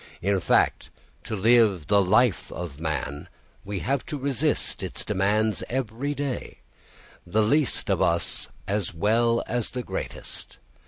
In fact, to live the life of man we have to resist its demands every day, the least of us as well as the greatest.